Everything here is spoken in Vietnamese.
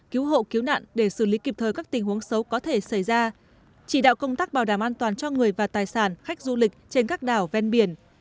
cứu hộ cứu nạn để xử lý kịp thời các tình huống xấu có thể xảy ra chỉ đạo công tác bảo đảm an toàn cho người và tài sản khách du lịch trên các đảo ven biển